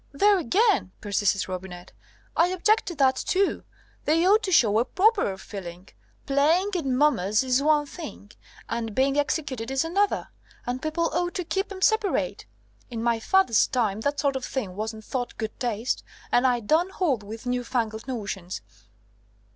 "There again," persisted Robinet; "I object to that too. They ought to show a properer feeling. Playing at mummers is one thing, and being executed is another, and people ought to keep 'em separate. In my father's time, that sort of thing wasn't thought good taste, and I don't hold with new fangled notions."